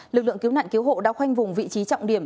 lực lượng cứu nạn cứu hộ đã khoanh vùng vị trí trọng điểm